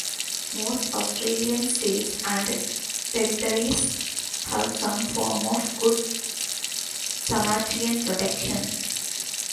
Most Australian states and territories have some form of good Samaritan protection.